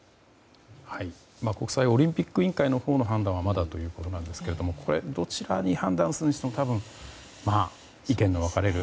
国際オリンピック委員会のほうの判断はまだということなんですがどちらに判断をするにしても多分、意見が分かれる。